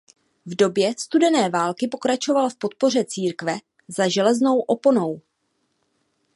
V době studené války pokračoval v podpoře církve za železnou oponou.